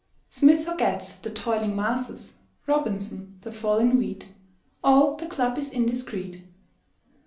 Smith forgets the "toiling masses," Robinson, the fall in wheat; All the club is indiscret.